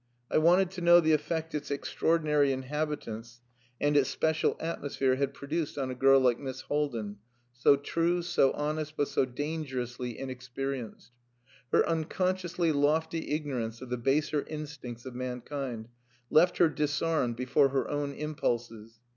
I wanted to know the effect its extraordinary inhabitants and its special atmosphere had produced on a girl like Miss Haldin, so true, so honest, but so dangerously inexperienced! Her unconsciously lofty ignorance of the baser instincts of mankind left her disarmed before her own impulses.